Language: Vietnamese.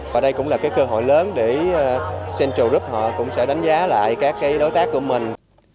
và đây cũng là cái cơ hội lớn để central group họ cũng sẽ đánh giá lại các đối tác của mình